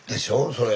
それ。